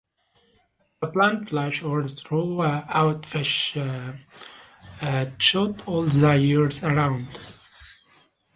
The plants flush, or throw out fresh shoots, all the year round.